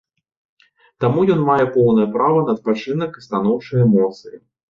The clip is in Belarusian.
Таму ён мае поўнае права на адпачынак і станоўчыя эмоцыі.